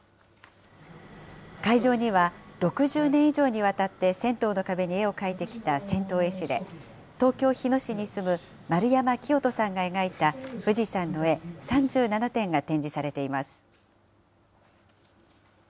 会場には、６０年以上にわたって銭湯の壁に絵を描いてきた銭湯絵師で、東京・日野市に住む丸山清人さんが描いた富士山の絵、３７点が展示されています。